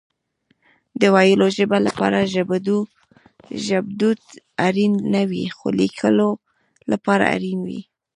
د ويلو ژبه لپاره ژبدود اړين نه وي خو ليکلو لپاره اړين وي